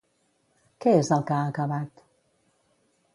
Què és el que ha acabat?